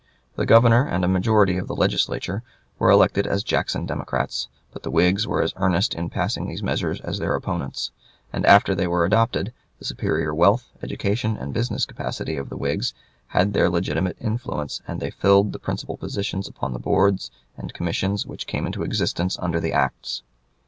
The Governor and a majority of the Legislature were elected as Jackson Democrats, but the Whigs were as earnest in passing these measures as their opponents; and after they were adopted, the superior wealth, education, and business capacity of the Whigs had their legitimate influence, and they filled the principal positions upon the boards and commissions which came into existence under the acts.